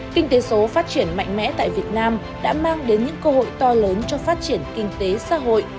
kinh tế số phát triển mạnh mẽ tại việt nam đã mang đến những cơ hội to lớn cho phát triển kinh tế xã hội